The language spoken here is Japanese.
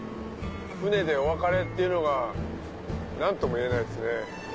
船でお別れっていうのが何ともいえないですね。